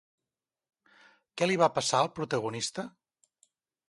Què li va passar al protagonista?